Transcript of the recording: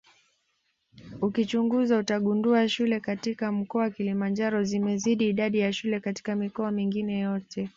Ukichunguza utagundua shule katika mkoa Kilimanjaro zimezidi idadi ya shule katika mikoa mingine yote